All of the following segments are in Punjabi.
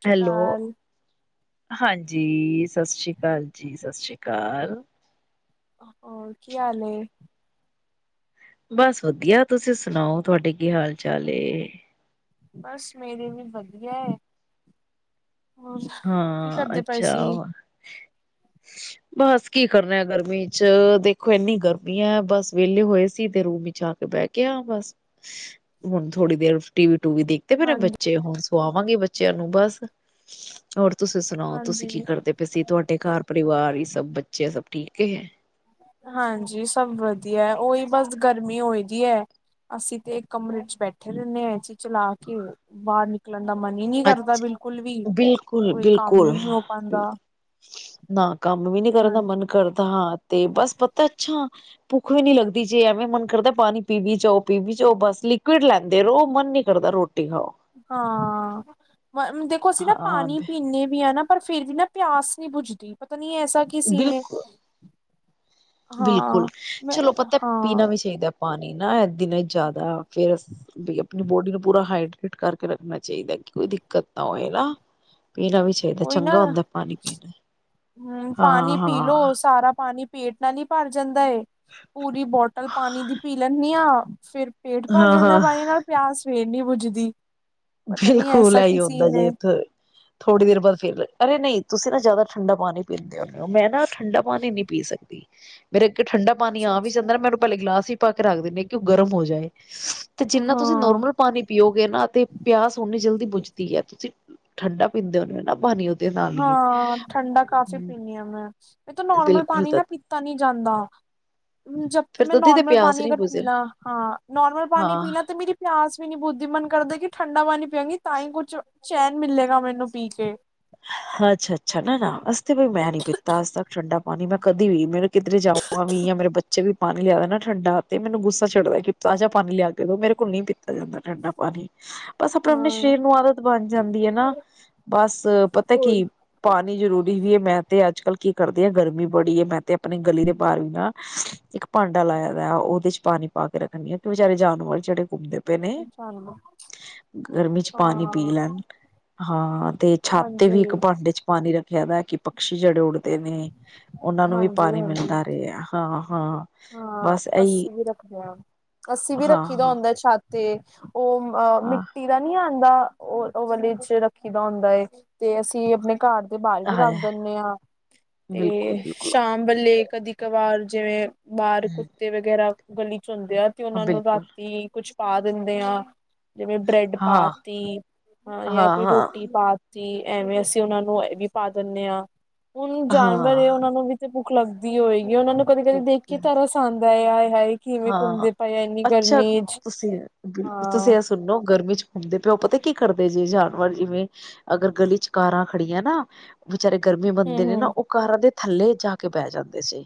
ਸਤਿ ਸ਼੍ਰੀ ਹੈਲੋ ਅਕਾਲ ਹਾਂਜੀ ਸਤਿ ਸ਼੍ਰੀ ਅਕਾਲ ਜੀ ਸਤਿ ਸ਼੍ਰੀ ਅਕਾਲ। ਹੋਰ ਕੀ ਹਾਲ ਏ। ਬਸ ਵਧੀਆ ਤੁਸੀਂ ਸੁਣਾਓ ਤੁਹਾਡੇ ਕੀ ਹਾਲ ਚਾਲ ਏ ਬਸ ਮੇਰੀ ਵੀ ਵਧੀਆ ਏ। ਹੋਰ ਕੀ ਹਾਂ ਕਰਦੇ ਪਏ ਅੱਛਾ, ਸੀ। ਬਸ ਕੀ ਕਰਨਾ ਗਰਮੀ ਚ ਦੇਖੋ ਇੰਨੀ ਗਰਮੀ ਹੈ ਬਸ ਵੇਲੇ ਹੋਏ ਸੀ ਤੇ ਰੂਮ ਵਿਚ ਆ ਬੈਠੇ ਆਂ ਬਸ ਹੁਣ ਥੋੜੀ ਦੇਰ ਟੀਵੀ ਟੂਵੀ ਦੇਖ ਤੇ ਫੇਰ ਏ ਹਾਂਜੀ, ਬੱਚੇ ਹੁਣ ਸੁਆਵਾਂਗੇ ਬੱਚਿਆਂ ਨੂੰ ਬਸ ਹੋਰ ਤੁਸੀਂ ਸੁਣਾਓ ਤੁਸੀਂ ਹਾਂਜੀ, ਕੀ ਕਰਦੇ [unintelligible] ਤੁਹਾਡੇ ਘਰ ਪਰਿਵਾਰ ਹੀ ਸਭ ਬੱਚੇ ਸਭ ਠੀਕ ਹੈ। ਹਾਂਜੀ ਸਭ ਵਧੀਆ ਉਹੀ ਬਸ ਗਰਮੀ ਹੋਈ ਦੀ ਹੈ। ਅਸੀਂ ਤੇ ਕਮਰੇ ਚ ਬੈਠੇ ਰਹਿੰਦੇ ਹਾਂ ਐਸੀ ਚਲਾ ਕੇ। ਬਾਹਰ ਨਿਕਲਣ ਦਾ ਮਨ ਹੀ ਨਹੀਂ ਕਰਦਾ ਅੱਛਾ ਬਿਲਕੁਲ ਵੀ ਕੋਈ ਕੰਮ ਬਿਲਕੁਲ-ਬਿਲਕੁਲ। ਵੀ ਨੀ ਹੋ ਪਾਉਂਦਾ ਨਾ ਕੰਮ ਵੀ ਨੀ ਕਰਨ ਦਾ ਹਾਂਜੀ ਮਨ ਕਰਦਾ ਹਾਂ ਤੇ ਬਸ ਪਤਾ ਅੱਛਾ। ਭੁੱਖ ਵੀ ਨੀ ਲੱਗਦੀ ਜੇ ਐਵੇਂ ਮਨ ਕਰਦਾ ਪਾਣੀ ਪੀ ਵੀ ਜਾਓ ਪੀ ਵੀ ਜਾਓ ਬਸ ਲਿਕੁਇਡ ਲੈਂਦੇ ਰਹੋ ਮਨ ਨੀ। ਕਰਦਾ ਰੋਟੀ ਖਾਓ। ਹਾਂ, ਦੇਖੋ ਅਸੀਂ ਨਾ ਹਾਂ ਪਾਣੀ ਪੀਦੇ ਵੀ ਹ ਨਾ। ਪਰ ਫਿਰ ਵੀ ਨਾ ਪਿਆਸ ਨੀ ਬੁਜਦੀ ਪਤਾ ਨੀ ਐਸਾ ਕੀ ਸੀਨ ਏ। ਬਿਲਕੁਲ ਬਿਲਕੁਲ ਹਾਂ ਮੈਂ ਚਲੋ ਪਤਾ ਹਾਂ ਪੀਣਾ ਵੀ ਚਾਹੀਦਾ। ਪਾਣੀ ਨਾ ਇਹ ਦਿਨੇ ਜਿਆਦਾ ਫੇਰ ਸ [unintelligible] ਆਪਣੀ ਬੋਡੀ ਨੂੰ ਪੂਰਾ ਹਾਈਡਰੇਟ ਕਰਕੇ ਰੱਖਣਾ ਚਾਹੀਦਾ ਕਿ ਕੋਈ ਦਿੱਕਤ ਨਾ ਹੋਏ ਨਾ [unintelligible] ਵੀ ਇਹ ਤਾਂ ਚੰਗਾ ਹੁੰਦਾ ਪਾਣੀ ਪੀਣਾ। ਹਮ ਪਾਣੀ ਹਾਂ ਪੀ ਹਾਂ ਲੋੋ ਸਾਰਾ ਪਾਣੀ। ਪੇਟ ਨਾਲ ਹੀ ਭਰ ਜਾਂਦਾ ਏ ਪੂਰੀ ਬੋਟਲ ਪਾਣੀ ਦੀ ਪੀ ਲੈਂਨੀ ਹਾਂ ਫਿਰ। ਪੇਟ ਭਰ ਹਾਂ ਜਾਂਦਾ ਹਾਂ ਪਾਨੀ ਨਾਲ ਪਿਆਸ ਵੇਰ ਨਹੀਂ ਬੁਜਦੀ। ਬਿਲਕੁਲ ਐਹੀ ਹੋਦਾਂ ਜੇ ਇੱਥੇ। ਥੋੜੀ ਦੇਰ ਬਾਅਦ ਫਿਰ ਅਰੇ ਨਹੀਂ ਤੁਸੀਂ ਨਾ ਜ਼ਿਆਦਾ ਠੰਡਾ ਪਾਣੀ ਪੀਂਦੇ ਹੁੰਨੇ ਹੋ ਮੈਂ ਨਾ ਠੰਡਾ ਪਾਣੀ ਨਹੀਂ ਪੀ ਸਕਦੀ। [inaudible] ਫੇਰ ਇੱਕ ਠੰਡਾ ਪਾਣੀ ਅੱਛਾ ਆ ਵੀ ਅੱਛਾ। ਜਾਂਦਾ ਨਾ ਮੈ ਉਹਨੂੰ ਪਹਿਲੇ ਗਿਲਾਸ ਹੀ ਪਾ ਕੇ ਰੱਖ ਦਿੰਨੀ ਹਾਂ ਕਿ ਉਹ ਗਰਮ ਹੋ ਜਾਏ। ਤੇ ਜਿੰਨਾ ਤੁਸੀਂ ਹਾਂ, ਨੋਰਮਲ ਪਾਣੀ ਪੀਓਗੇ ਨਾ ਤੇ ਪਿਆਸ ਓਨੀ ਜਲਦੀ ਬੁਜਦੀ ਹੈ ਤੁਸੀਂ ਠੰਡਾ ਪੀਂਦੇ ਹੋੁੰਦੇ ਹੋ ਨਾ ਬਣੀ। ਹਾਂ ਠੰਡਾ ਕਾਫ਼ੀ ਪੀਣੀ ਹਾਂ ਮੈਂ ਇਹ ਤਾਂ ਨੋਰਮਲ ਬਿਲਕੁਲ ਪਾਣੀ ਨਾ ਪੀਤਾ ਨੀ ਜਾਂਦਾ। ਜਬ ਫਿਰ ਮੈਂ ਤਦੀ ਤੇ ਨੋਾਰਮਲ ਪਿਆਸ ਪਣੀ ਨੀ ਅਗਰ ਬੁਝੇ ਪੀਲਾ ਹਾਂ ਨੋਾਰਮਲ ਪਣੀ ਹਾਂ ਪੀਲਾ ਤਾਂ ਮੇਰੀ ਪਿਆਸ ਵੀ ਨਹੀਂ ਬੁੱਝਦੀ ਦਿਲ ਕਰਦੇ ਕਿ ਠੰਡਾ ਪਾਣੀ ਪਆਗੀ ਤਾਂ ਹੀ ਕੁਝ ਚੈਨ ਮਿਲੇਗਾ ਮੈਨੂੰ ਪੀ ਕੇ। ਅੱਛਾ ਅੱਛਾ ਨਾ ਨਾ ਅੱ ਤੇ ਵੀਈ ਮੈਂ ਨੀ ਪੀਤਾ ਅੱਜ ਤੱਕ ਠੰਡਾ ਪਾਣੀ ਮੈਂ ਕਦੀ ਵੀ। ਮੇ ਕਿੱਧਰੇ ਜਾਵਾਂ ਵੀ ਜਾਂ ਮੇਰੇ ਬੱਚੇ ਵੀ ਪਾਣੀ ਲਿਆਦਾ ਨਾ ਠੰਡਾ ਤੇ ਮੈਨੂੰ ਗੁੱਸਾ ਛੱਡਦਾ। ਤਾਜ਼ਾ ਪਾਣੀ ਲਿਆ ਕੇ ਦੋ ਮੇਰੇ ਕੋ ਨ ਨਹੀਂ ਪੀ ਪੀਤਾ ਜਾਂਦਾ ਠੰਡਾ ਪਾਣੀ ਬਸ ਆਪਣੇ ਆਪਣੇ ਹਾਂ, ਸਰੀਰ ਨੂੰ ਆਦਤ ਬਣ ਜਾਂਦੀ ਹੈ ਨਾ ਬਸ। ਪਤਾ ਓਏ ਕੀ। ਪਾਣੀ ਜ਼ਰੂਰੀ ਵੀ ਹੈ ਮੈਂ ਤੇ ਅੱਜ ਕੱਲ੍ਹ ਕੀ ਕਰਦੇ ਹਾਂ ਗਰਮੀ ਬੜੀ ਹੈ ਮੈਂ ਤੇ ਆਪਣੇ ਗਲੀ ਦੇ ਬਾਹਰ ਵੀ ਨਾ। ਇੱਕ ਭਾਂਡਾ ਲਾਇਆ ਵਾ ਉਹਦੇ ਚ ਪਾਣੀ ਪਾ ਕੇ ਰੱਖਣੀ ਆ ਕਿ ਵਿਚਾਰੇ ਜਾਨਵਰ ਜਿਹੜੇ ਘੁੰਮਦੇ ਨੇ ਅੱਛਾ ਗਰਮੀ ਚ ਪਾਣੀ ਪੀ ਹਾਂ ਲੈਣ ਹਾਂ ਤੇ ਛੱਤ। ਛੱਤ ਤੇ ਹਾਂਜੀ ਵੀ ਇੱਕ ਭਾਂਡੇ ਚ ਪਾਣੀ ਰੱਖਿਆ ਵਾ ਕਿ। ਪਕਸ਼ੀ ਜਿਹੜੇ ਉੱਡਦੇ ਨੇ ਉਹਨਾਂ ਨੂੰ ਵੀ ਹਾਂਜੀ ਪਾਣੀ ਹਾਂਜੀ ਮਿਲਦਾ ਰਿਹਾ ਹਾਂ ਹਾਂ। ਹਾਂ ਬਸ ਇਹੀ ਅੱਸੀ ਵੀ ਰੱਖਦੇ ਹਾਂ ਅੱਸੀ ਵੀ ਹਾਂ ਰੱਖੀ ਦਾ ਹੁੰਦਾ ਛਤ ਤੇ ਓ ਆ ਹਾਂ ਮਿੱਟੀ। ਨੀ ਆਉਂਦਾ [unintelligible] ਉਹ ਵਾਲੇ ਚ ਰੱਖੀ ਦਾ ਹੁੰਦਾ ਏ ਤੇ ਅਸੀਂ ਆਪਣੇ ਘਰ ਦੇ ਬਾਹਰ ਵੀ ਹਾਂ ਰੱਖ ਹੈ ਦਿੰਨੇ ਹਾਂ ਤੇ ਬਿਲਕੁਲ ਬਿਲਕੁਲ ਸ਼ਾਮ। ਬੱਲੇ ਕਦੀ ਕਵਾਰ ਜਿਵੇਂ ਬਾਹਰ ਹਮ ਕੁੱਤੇ ਵਗੈਰਾ ਗਲੀ ਚ ਹੁੰਦੇ ਆ। ਉਹਨਾਂ ਨੂੰ ਬਿਲਕੁਲ ਰਾਤੀ ਕੁਛ ਪਾ ਦਿੰਦੇ ਆ। ਜਿਵੇਂ ਬ੍ਰੈਡ ਪਾ ਹਾਂ ਤੀ ਹਾਂ ਯਾਂ ਕੋਈ ਰੋਟੀ ਪਾ। ਤੀ ਐਵੇਂ ਅਸੀਂ ਉਹਨਾਂ ਨੂੰ ਇਹ ਵੀ ਪਾ ਦਿੰਨੇ ਹਾਂ, ਹੁਣ ਜਾਨਵਰ ਹਾਂ ਹੈ ਉਹਨਾਂ ਨੂੰ ਵੀ ਤੇ ਭੁੱਖ ਲੱਗਦੀ ਹੋਏਗੀ, ਉਹਨਾਂ ਨੂੰ ਕਦੇ-ਕਦੇ ਦੇਖ ਕੇ ਤਰਸ ਆਦਾਂ ਏ ਆਏ ਹਾਏ। ਕਿਵੇਂ ਹਾਂ, ਘੁੰਮਦੇ ਪਏ ਆ ਇੰਨੀ ਮੱਛਰ ਗਰਮੀ ਚ ਤੁਸੀਂ ਬਿਲਕੁਲ ਹਾਂ ਤੁਸੀਂ ਅ ਸੁਣੋ ਗਰਮੀ ਚ ਘੁੰਮਦੇ ਪਿਓ, ਪਤਾ ਕੀ ਕਰਦੇ ਜੇ ਜਾਨਵਰ ਜਿਵੇਂ ਅਗਰ ਗਲੀ ਚ ਕਾਰਾਂ ਖੜੀਆਂ ਨਾ, ਵਿਚਚਾਰੇ ਗਰਮੀ ਬੰਦੇ ਹਮ ਨੇ ਨਾ ਹਮ ਉਹ ਕਾਰਾਂ ਦੇ ਥੱਲੇ ਜਾ ਕੇ ਬਹਿ ਜਾਂਦੇ ਸੀ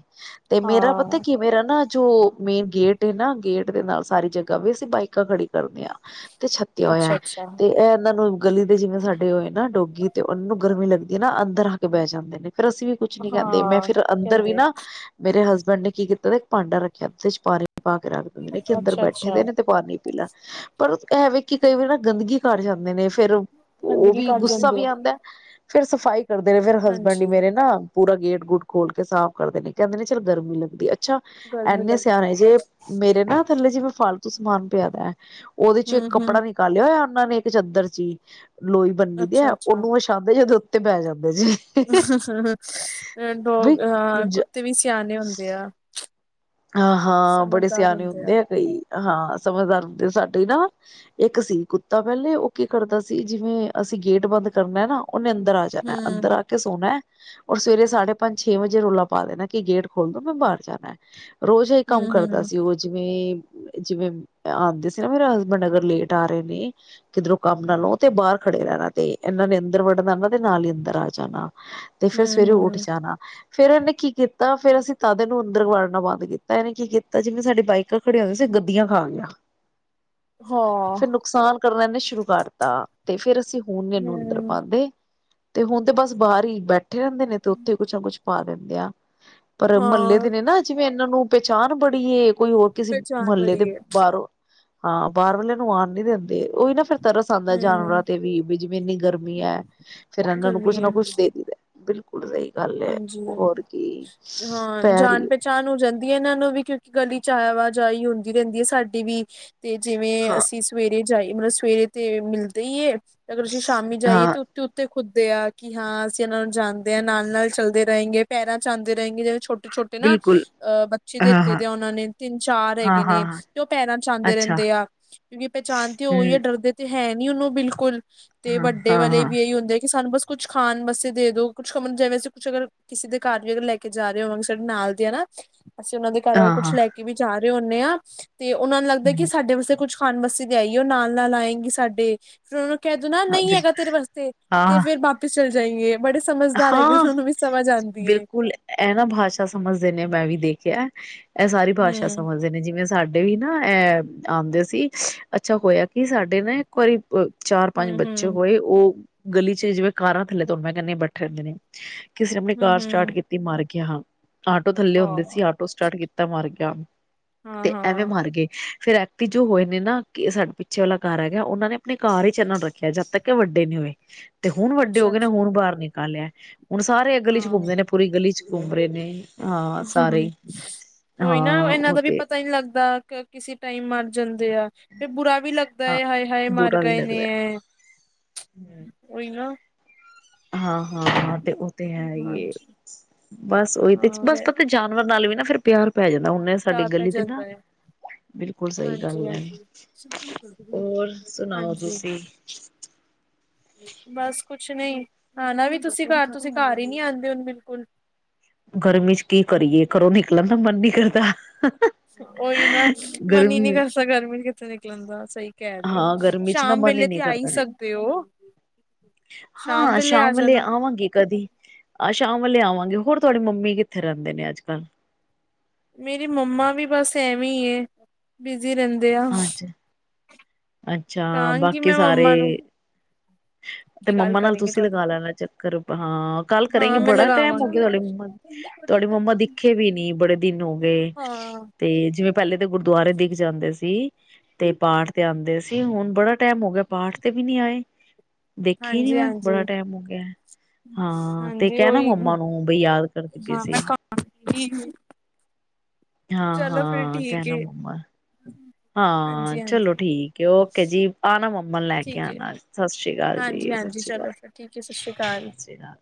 ਤੇ ਮੇਰਾ ਪਤਾ ਹਾਂ ਕੀ ਮੇਰਾ ਨਾ ਜੋ ਮੇਨ ਗੇਟ ਨਾ, ਗੇਟ ਦੇ ਨਾਲ ਸਾਰੀ ਜਗ੍ਹਾ ਵੀ ਅਸੀਂ ਬਾਈਕਾਂ ਖੜੀ ਕਰਦੇ ਹਾਂ ਤੇ ਛੱ ਿਆ ਹੋਇਆ ਅੱਛਾ ਹੈ ਅੱਛਾ ਤੇ ਇਹ ਇਹਨਾਂ ਨੂੰ ਗਲੀ ਦੇ ਜਿਵੇਂ ਸਾਡੇ ਹੋਏ ਨਾ ਡੋਗੀ ਤੇ ਉਹਨ ਨੂੰ ਗਰਮੀ ਲੱਗਦੀ ਨਾ ਅੰਦਰ ਆ ਕੇ ਬਹਿ ਜਾਂਦੇ ਨੇ ਫਿਰ ਅਸੀਂ ਵੀ ਕੁਛ ਨੀ ਕਹਿੰਦੇ ਮੈਂ ਹਾਂ ਫੇਰ ਅੰਦਰ ਵੀ ਕਹਿੰਦੇ ਨਾ ਮੇਰੇ ਹਸਬੈਂਡ ਨੇ ਕੀ ਕੀਤਾ ਦਾ, ਇੱਕ ਭਾਂਡਾ ਰੱਖਿਆ ਜਦੇ ਚ ਪਾਣੀ ਪਾ ਕੇ ਰੱਖ ਦਿੰਦੇ ਨੇ ਕਿ ਅੰਦਰ ਅੱਛਾ ਬੈਠੇ ਦੇ ਅੱਛਾ ਨੇ ਤੇ ਪਾਣੀ ਪੀਲਾ ਪਰ ਇਹਵੇ ਕਿ ਕਈ ਵਾਰੀ ਨਾ ਗੰਦਗੀ ਕਰ ਜਾਂਦੇ ਨੇ ਫੇਰ ਉਹ ਗੰਦਗੀ ਵੀ ਕਰ ਗੁੱਸਾ ਜਾਂਦੇ ਆ ਵੀ ਆਂਦਾ ਫੇਰ ਸਫ਼ਾਈ ਕਰਦੇ ਨੇ ਫੇਿਰ ਹਸਬੈਂਡ ਹਾਂਜੀ ਹੀ ਮੇਰੇ ਨਾ ਪੂਰਾ ਗੇਟ ਗੁਟ ਖੋਲ ਕੇ ਸਾਫ਼ ਕਰਦੇ ਨੇ, ਕਹਿੰਦੇ ਨੇ ਚੱਲ ਗਰਮੀ ਲੱਗਦੀ ਅੱਛਾ, ਐੰਨੇ ਸਿਆਣੇ ਜੇ ਮੇਰੇ ਨਾ ਥੱਲੇ ਜਿਵੇਂ ਫਾਲਤੂ ਸਮਾਨ ਪਿਆਦਾ ਐ ਉਹਦੇ ਚ ਹੂੰ-ਹੂੰ ਕੱਪੜਾ ਨ ਕਰ ਲਿਆ ਹੋਇਆ ਉਹਨਾਂ ਨੇ ਇੱਕ ਚਾਦਰ ਚੀ, ਲੋਈ ਬੰਨੀ ਦੀ ਐ ਅੱਛਾ-ਅੱਛਾ ਉਹਨੂੰ ਆਪੇ ਜਦੋਂ ਉੱਤੇ ਬੈਹ ਜਾਂਦੇ ਜੇ। ਡੋਗ ਹਾਂ ਕੁੱਤੇ ਵੀ ਸਿਆਣੇ ਹੁੰਦੇ ਆ। ਹਾਂ-ਹਾਂ, ਬੜੇ ਸਿਆਣੇ ਹੁੰਦੇ ਆ ਕਈ। ਹਾਂ ਸਮਝਦਾਰ ਹੁੰਦੇ ਸਾਡੇ ਨਾ, ਇੱਕ ਸੀ ਕੁੱਤਾ ਪੈਲੇ ਉਹ ਕੀ ਕਰਦਾ ਸੀ, ਜਿਵੇਂ ਅਸੀਂ ਗੇਟ ਬੰਦ ਕਰਨਾ ਨਾ, ਉਹਨੇ ਅੰਦਰ ਆ ਜਾਣਾ ਅੰਦਰ ਹੂੰ ਆ ਕੇ ਕੇ ਸੋਣਾ ਔਰ ਸਵੇਰੇ ਸਾਢੇ ਪੰਜ-ਛੇ ਵਜੇ ਰੋਲਾ ਪਾ ਦੇਣਾ ਕਿ ਗੇਟ ਖੋਲ ਦੋ ਮੈਂ ਬਾਹਰ ਜਾਣਾ। ਰੋਜ਼ ਇਹ ਕੰਮ ਕਰਦਾ ਹੂੰ-ਹੂੰ ਸੀ ਉਹ ਜਿਵੇ ਜਿਵੇਂ ਆਂਦੇ ਸੀ ਨਾ ਮੇਰਾ ਹਸਬੈਂਡ ਅਗਰ ਲੇਟ ਆ ਰਹੇ ਨੇ ਕਿਧਰੋਂ ਕੰਮ ਨਾਲ ਲੋਂ ਤੇ ਬਾਹਰ ਖੜੇ ਰਹਿਣਾ ਤੇ ਇਹਨਾਂ ਨੇ ਅੰਦਰ ਵਢਨਾ ਨਾਂ ਇਨਾਂ ਦੇ ਨਾਲ ਹੀ ਅੰਦਰ ਆ ਜਾਣਾ ਤੇ ਫੇਰ ਸਵੇਰੇ ਉੱਠ ਹੂੰ-ਹੂੰ ਜਾਣਾ। ਫੇਰ ਇਹਨੇ ਕੀ ਕੀਤਾ ਫੇਰ ਅਸੀਂ ਤਦੇ ਨੂੰ ਅੰਦਰ ਵੜਨਾ ਬੰਦ ਕੀਤਾ। ਇਹਨੇ ਕੀ ਕੀਤਾ ਜਿਵੇਂ ਸਾਡੀ ਬਾਈਕ ਕ ਖੜੇ ਹੋਏ ਸੀ। ਗੱਦੀਆਂ ਖਾ ਗਿਆ ਫਿਰ ਹਾਂ ਨੁਕਸਾਨ ਕਰਨਾ ਸ਼ੁਰੂ ਕਰਤਾ ਤੇ ਫੇਰ ਅਸੀਂ ਹੁਣ ਇਨੂੰ ਅੰਦਰ ਹੂੰ ਪਾਂਦੇ। ਤੇ ਹੁਣ ਤੇ ਬਸ ਬਾਹਰ ਹੀ ਬੈਠੇ ਰਹਿੰਦੇ ਨੇ ਤੇ ਉੱਥੇ ਕੁਛ ਨਾ ਕੁਛ ਪਾ ਦਿੰਦੇ ਆ। ਪਰ ਮਹੱਲੇ ਹਾਂ ਦੇ ਨੇ ਨਾ, ਜਿਵੇਂ ਇਹਨਾਂ ਨੂੰ ਪਹਿਚਾਣ ਬੜੀ ਐ, ਕੋਈ ਹੋਰ ਕਿਸੇ ਪਹਿਚਾਣ ਮਹੱਲੇ ਦੇ ਬੜੀ ਹੈ ਬਾਹਰੋਂ ਹਾਂ ਬਾਹਰ ਵਾਲਿਆਂ ਨੂੰ ਆਣ ਨੀ ਦਿੰਦੇ ਉਹੀ ਨਾ ਫਿਰ ਤਰਸ ਆਂਦਾ ਹੂੰ ਜਾਨਵਰਾਂ ਤੇ ਵੀ ਜਿਵੇਂ ਇੰਨੀ ਗਰਮੀ ਹੈ ਫੇਰ ਇਹਨਾਂ ਨੂੰ ਕੁੱਛ ਗਰਮੀ ਨਾ ਹੈ ਕੁੱਛ ਦੇ ਦਈਦਾ ਬਿਲਕੁਲ ਸਹੀ ਗੱਲ ਐ, ਹਾਂਜੀ ਹੋਰ ਕੀ ਪੈਰੀ ਪਹਿਚਾਨ ਨੂੰ ਹੋ ਜਾਂਦੀ ਹੈ ਇਹਨਾਂ ਨੂੰ ਵੀ ਕਿਉਂਕਿ ਗਲੀ ਚ ਆਵਾ ਜਾਈ ਹੁੰਦੀ ਰਹਿੰਦੀ ਐ ਸਾਡੀ ਵੀ ਤੇ ਜਿਵੇਂ ਹਾਂ ਅਸੀਂ ਸਵੇਰੇ ਜਾਈਏ ਮਤਲਬ ਸਵੇਰੇ ਤੇ ਮਿਲਦੇ ਹੀਏ ਅਗਰ ਅਸੀਂ ਸ਼ਾਮੀ ਜਾਈਏ ਹਾਂ ਤੇ ਉੱਤੇ ਖੁਦਦੇ ਆ ਕਿ ਹਾਂ ਅਸੀਂ ਇਹਨਾਂ ਨੂੰ ਜਾਣਦੇ ਹਾਂ ਨਾਲ ਨਾਲ ਚੱਲਦੇ ਰਹਿੰਗੇ ਪੈਰਾਂ ਚ ਆਂਦੇ ਰਹਿੰਗੇ ਜਿਹਵੇਂ ਛੋਟੇ-ਛੋਟੇ ਨਾ ਬਿਲਕੁਲ ਅਹ ਬੱਚੇ ਹਾਂ ਦਿੱਤੇ ਹਾਂ ਦੇ ਆ ਉਹਨਾਂ ਨੇ, ਤਿੰਨ-ਚਾਰ ਹਾਂ ਹੈਗੇ ਹਾਂ ਨੇ ਹਾਂ ਤੇ ਉਹ ਪੈਰਾਂ ਚ ਆਂਦੇ ਅੱਛਾ ਰਹਿੰਦੇ ਆ। ਕਿਉਂਕਿ ਪਹਿਚਾਣ ਤੇ ਹੋ ਰਹੀ ਏ ਹੂੰ ਡਰਦੇ ਤੇ ਹੈ ਨੀ ਉਹਨੂੰ ਬਿਲਕੁਲ ਤੇ, ਹਾਂ ਵੱਡੇ ਹਾਂ ਵਾਲੇ ਹਾਂ ਵੀ ਇਹੀ ਹੁੰਦੇ ਆ ਕਿ ਸਾਨੂੰ ਬਸ ਕੁਛ ਖਾਣ ਬਸੇ ਦੇ ਦੋ, ਕੁਛ ਜਿਵੇਂ ਅਸੀਂ ਕੁੱਛ ਅਗਰ ਕਿਸੇ ਦੇ ਘਰ ਵੀ ਅਗਰ ਲੈ ਕੇ ਜਾ ਰਹੇ ਹੋਵਾਂਗੇ, ਸਾਡੇ ਨਾਲ ਦੇ ਆ ਨਾ ਅਸੀਂ ਉਹਨਾਂ ਦੇ ਘਰ ਅਰ ਹਾਂ ਕੁਛ ਹਾਂ ਲੈ ਕੇ ਵੀ ਜਾ ਰਹੇ ਹੁੰਦੇ ਆ ਤੇ ਉਹਨਾਂ ਨੂੰ ਲੱਗਦਾ ਕਿ ਹੂੰ ਸਾਡੇ ਵਾਸਤੇ ਕੁੱਛ ਖਾਣ ਵਾਸਤੇ ਆਈਏ, ਉਹ ਨਾਲ-ਨਾਲ ਆਏਗੀ ਸਾਡੇ। ਫਿਰ ਉਹਨੂੰ ਕਹਿ ਦੂਣਾ ਹਾਂ ਨਹੀਂ ਹੈਗਾ ਬਿਲਕੁਲ ਤੇਰੇ ਵਾਸਤੇ ਤੇ ਹਾਂ ਫੇਰ ਵਾਪਿਸ ਚਲੇ ਜਾਏਗੇ ਬੜੇ ਸਮਝ ਦਾਰ ਹੈਗੇ ਹਾਂ ਕਿ ਉਹਨਾਂ ਨੂੰ ਵੀ ਸਮਝ ਆਂਦੀ ਏ। ਬਿਲਕੁਲ ਇਹ ਨਾ ਭਾਸ਼ਾ ਸਮਝਦੇ ਨੇ ਮੈਂ ਵੀ ਦੇਖਿਆ। ਇਹ ਸਾਰੀ ਭਾਸ਼ਾ ਹਮ ਸਮਝਦੇ ਨੇ ਜਿਵੇਂ ਸਾਡੇ ਸਾ ਵੀ ਨਾ, ਇਹ ਆਉਂਦੇ ਸੀ। ਅੱਛਾ ਹੋਇਆ ਕਿ ਸਾਡੇ ਨਾ ਇੱਕ ਵਾਰੀ ਚਾਰ -ਪੰਜ ਹਮ ਬੱਚੇ ਹਮ ਹੋਏ। ਉਹ ਗਲੀ ਚ' ਜਿਵੇਂ ਕਾਰਾਂ ਥੱਲੇ ਤੋ ਮੈਂ ਕਹਿੰਦੇ ਬੈਠੇ ਹਦੇ ਨੇ। ਕਿਸੇ ਨੇ ਆਪਣੀ ਕਾਰ ਹਮ ਸਟਾਰਟ ਹਮ ਕੀਤੀ ਮਰ ਗਿਆ। ਹਾਂ, ਆਟੋ ਥੱਲੇ ਹੁੰਦੇ ਹਾਂ ਸੀ। ਸਟਾਰਟ ਕੀਤਾ ਮਰ ਗਿਆ। ਹਾਂ ਤੇ ਐਵੇਂ ਹਾਂ ਮਰ ਗਏ ਫਿਰ ਤੇ ਜੋ ਹੋਏ ਨੇ ਨਾ ਸਾਡੇ ਪਿੱਛੇ ਵਾਲਾ ਘਰ ਹੈਗਾ। ਉਹਨਾਂ ਨੇ ਆਪਣੀ ਘਰ ਹੀ ਰੱਖਿਆ। ਜਦ ਤੱਕ ਕਿ ਵੱਡੇ ਨ ਹੋਏ। ਤੇ ਹੁਣ ਵੱਡੇ ਹੋ ਅੱਛਾ ਗਏ ਨੇ ਅੱਛਾ ਹੁਣ ਬਾਹਰ ਨਿਕਾਲ ਲਿਆ। ਹੁਣ ਸਾਰੇ ਗਲੀ ਚ' ਘੁੰਮਦੇ ਨੇ ਪੂਰੀ ਗਲੀ ਚ' ਘੁੰਮ ਰਹੇ ਨੇ। ਹਾਂ ਹਮ ਸਾਰੇ ਹ ਉਹੀ ਨਾ। ਹਾਂ ਇਹਨਾਂ ਉਹ ਦਾ ਵੀ ਤੇ ਪਤਾ ਹੀ ਨਹੀਂ ਲੱਗਦਾ। ਕਿਸੇ ਟਾਈਮ ਮਰ ਜਾਂਦੇ ਆ ਫਿਰ ਬੁਰਾ ਵੀ ਲੱਗਦਾ ਹਾਂ ਹੈ ਹਾਏ! ਹਾਏ! ਮਰ ਬੁਰਾ ਵੀ ਲੱਗਦਾ ਗਏਏਨੇ। ਹੀ ਨਾ। ਹਾਂ -ਹਾਂ -ਹਾਂ ਤੇ ਉਹ ਤੇ ਹੈ ਹੀ ਹਾਂਜੀ ਬਸ ਉਹੀ ਤੇ ਹਾਂ ਬਸ ਵੈ- ਪਤਾ ਜਾਨਵਰ ਨਾਲ ਵੀ ਨਾ ਫੇਿਰ ਪਿਆਰ ਪੈ ਜਾਂਦਾ। ਉਹਨੇ ਸਾਡੀ ਪਿਆਰ ਪੈ ਗਲੀ ਤੇ ਨਾ ਜਾਂਦਾ ਹੈ ਬਿਲਕੁਲ ਸਹੀ ਹਾਂਜੀ ਗੱਲ ਹੈ। ਹਾਂਜੀ ਹੋਰ ਸੁਣਾਓ ਹਾਂਜੀ ਤੁਸੀਂ? [inaudible] ਬਸ ਕੁਛ ਨਹੀਂ। ਆ ਨਾ ਵੀ ਤੁਸੀਂ ਘਰ, ਤੁਸੀਂ ਘਰ ਹੀ ਨੀ ਆਉਂਦੇ ਹੋਨ। ਬਿਲਕੁਲ ਗਰਮੀ ਚ' ਕੀ ਕਰੀਏ ਘਰੋਂ ਨਿਕਲਣ ਦਾ ਮਨ ਨੀ ਕਰਦਾ। ਉਹੀ ਨਾ। ਮਨ ਹੀ ਨਹੀਂ ਗਰਮੀ ਕਰ ਸਕ ਗਰਮੀ ਚ' ਕਿੱਥੇ ਨਿਕਲਣ ਦਾ। ਸਹੀ। ਕਹਿ ਦਿਓ, ਹਾਂ ਗਰਮੀ ਚ ਨਾ ਸ਼ਾਮ ਮਨ ਹੀ ਵੇਲੇ ਤੇ ਨਹੀਂ ਆਈ ਕਰਦਾ ਨੇ ਸਕਦੇ ਹੋ। ਹਾਂ, ਸ਼ਾਮ ਵੇਲੇ ਆਵਾਂਗੀ ਕਦੀ। ਆਹ ਸ਼ਾਮ ਵੇ ਆਵਾਂਗੇ। ਹੋਰ ਤੁਹਾਡੀ ਮੰਮੀ ਕਿੱਥੇ ਰਹਿੰਦੇ ਨੇ ਅੱਜ ਕੱਲ੍ਹ? ਮੇਰੀ ਮੰਮਾ ਵੀ ਬਸ ਐਵੇਂ ਬਿਜ਼ੀ ਰਹਿੰਦੇ ਆ। ਹਾਂਜੀ ਅੱਛਾ। ਕਹਾਂਗੀ ਬਾਕੀ ਮੈਂ ਸਾਰੇ ਮੰਮਾ ਨੂੰ ਤੇ ਕੀ ਗੱਲ ਮੰਮਾ ਨਾਲ ਕਰੇਗੀ ਤੁਸੀਂ ਤੁਹਾਨੂੰ ਲਗਾ ਲੈਣਾ ਚੱਕਰ ਹਾਂ। ਕੱਲ ਕਰੇਗੇ। ਹਾਂ ਮੈਂ ਬੜਾ ਟਾਈਮ ਹੋ ਗਿਆ ਲਗਾਵਾਂਗੀ। ਤੁਹਾਡੇ ਮੰਮਾ ਤੁਹਾਡਡੀ ਮੰਮਾ ਦਿਖੇ ਵੀ ਨੀ, ਬੜੇ ਦਿਨ ਹੋ ਗਏ। ਹਾਂ ਤੇ ਜਿਵੇਂ ਪਹਿਲੇ ਤਾਂ ਗੁਰਦੁਆਰੇ ਦੀਖ ਜਾਂਦੇ ਸੀ। ਤੇ ਪਾਠ ਤੇ ਆਉਂਦੇ ਸੀ। ਹੁਣ ਬੜਾ ਟਾਈਮ ਹੋ ਗਿਆ ਪਾਠ ਤੇ ਵੀ ਨੀ ਆਏ। ਦੇਖੀ ਨੀ ਹਾਂਜੀ ਮੈਂ, ਹਾਂਜੀ ਬੜਾ ਟਾਈਮ ਹੋ ਗਿਆ। ਹਾਂ। ਤੇ ਹਾਂਜੀ ਕਹਿਣਾ ਉਹੀ ਮੰਮਾ ਨੂੰ ਬਈ ਯਾਦ ਕਰਦੀ ਪਈ ਸੀ। ਕੀ ਗੱਲ। ਚਲੋ, ਫੇਰ ਹਾਂ-ਹਾਂ ਠੀਕ। ਕਹਿਣਾ ਮੰਮਾ ਹਾਂ, ਹਾਂਜੀ ਚਲੋ ਹਾਂਜੀ ਠੀਕ ਹੈ। ਓਕੇ ਜੀ। ਆਣਾ ਮੰਮਨ ਲੈ ਕੇ ਆਣਾ। ਸਤਿ ਸ੍ਰੀ ਅਕਾਲ ਜੀ। ਜੀ ਸ੍ਰੀ ਚਲੋ ਅਕਾਲ ਫਿਰ ਠੀਕ ਹੈ। ਸਤਿ ਸ਼੍ਰੀ ਅਕਾਲ। ਸਤਿ ਸ੍ਰੀ ਅਕਾਲ